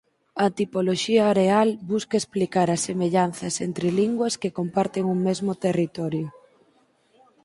A tipoloxía areal busca explicar as semellanzas entre linguas que comparten un mesmo territorio.